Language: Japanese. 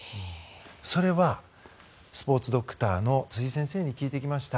それはスポーツドクターの辻先生に聞いてきました。